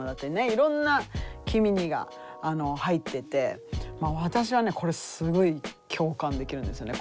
いろんな「きみに」が入ってて私はねこれすごい共感できるんですよね。